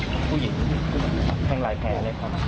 แพงผู้หญิงแพงหลายแพงเลยครับ